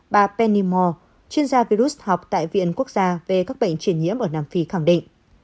bà penny moore chuyên gia virus học tại viện quốc gia về các bệnh triển nhiễm ở nam phi khẳng định